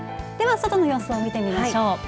外の様子を見てみましょう。